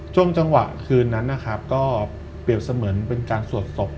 ช่วงจังหวะคืนนั้นนะครับก็เปรียบเสมือนเป็นการสวดศพ